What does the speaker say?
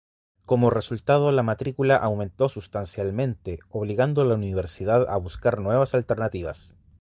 Como resultado, la matrícula aumentó sustancialmente, obligando a la Universidad a buscar nuevas alternativas.